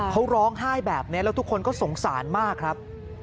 เขาร้องไห้แบบนี้แล้วทุกคนก็สงสารมากครับ